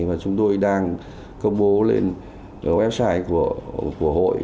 và chúng tôi đang công bố lên website của hội